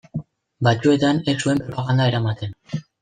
Batzuetan ez zuen propaganda eramaten.